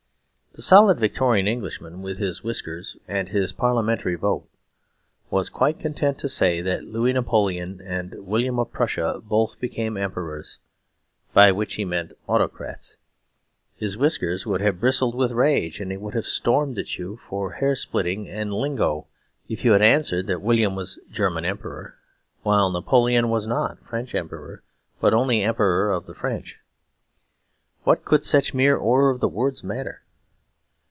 The solid Victorian Englishman, with his whiskers and his Parliamentary vote, was quite content to say that Louis Napoleon and William of Prussia both became Emperors by which he meant autocrats. His whiskers would have bristled with rage and he would have stormed at you for hair splitting and "lingo," if you had answered that William was German Emperor, while Napoleon was not French Emperor, but only Emperor of the French. What could such mere order of the words matter?